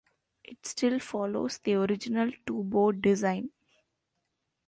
It still follows the original two board design.